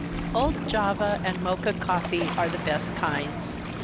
_ Old Java and Mocha coffee are the best kinds.